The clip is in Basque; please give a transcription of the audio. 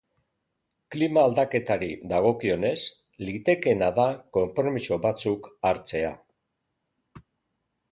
Klima aldaketari dagokionez, litekeena da konpromiso batzuk hartzea.